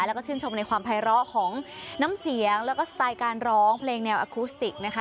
แล้วก็ชื่นชมในความภัยร้อของน้ำเสียงแล้วก็สไตล์การร้องเพลงแนวอคุสติกนะคะ